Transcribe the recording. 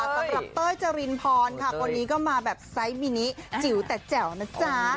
เต้ยจรินพรค่ะคนนี้ก็มาแบบไซส์มินิจิ๋วแต่แจ๋วนะจ๊ะ